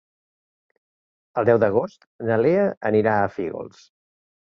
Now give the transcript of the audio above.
El deu d'agost na Lea anirà a Fígols.